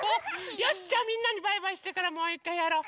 よしじゃあみんなにバイバイしてからもういっかいやろう！